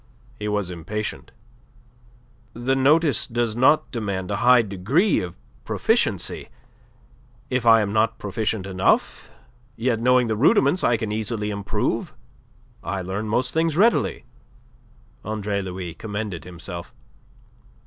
He was impatient. "The notice does not demand a high degree of proficiency. If I am not proficient enough, yet knowing the rudiments I can easily improve. I learn most things readily," Andre Louis commended himself.